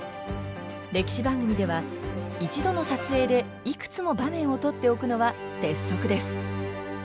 歴史番組では一度の撮影でいくつも場面を撮っておくのは鉄則です。